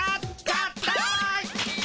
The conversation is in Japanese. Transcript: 合体！